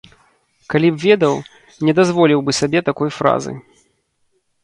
Калі б ведаў, не дазволіў бы сабе такой фразы.